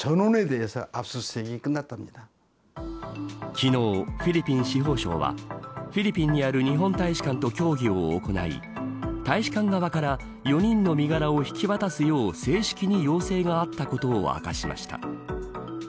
昨日、フィリピン司法省はフィリピンにある日本大使館と協議を行い大使館側から４人の身柄を引き渡すよう正式に要請があったことを明かしました。